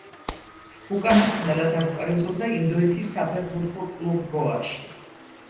უკანასკნელად ასპარეზობდა ინდოეთის საფეხბურთო კლუბ „გოაში“.